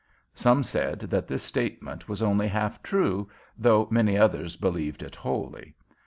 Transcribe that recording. Some said that this statement was only half true, though many others believed it wholly.